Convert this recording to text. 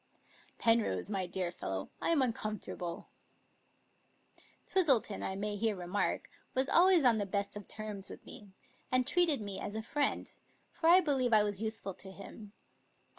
" Penrose, my dear fellow, I'm uncomfortable." Twistleton, I may here remark, was always on the best of terms with me, and treated me as a friend, for I believe I was useful to him.